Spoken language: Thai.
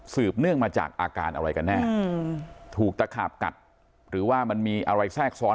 เนื่องมาจากอาการอะไรกันแน่ถูกตะขาบกัดหรือว่ามันมีอะไรแทรกซ้อน